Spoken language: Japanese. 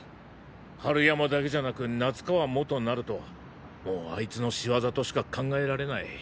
春山だけじゃなく夏川もとなるともうアイツの仕業としか考えられない。